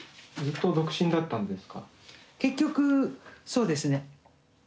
結局そうですね。